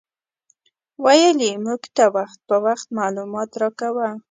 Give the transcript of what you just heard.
ویل یې موږ ته وخت په وخت معلومات راکاوه.